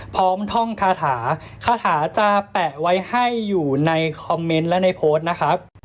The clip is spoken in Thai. ท่องคาถาคาถาจะแปะไว้ให้อยู่ในคอมเมนต์และในโพสต์นะครับ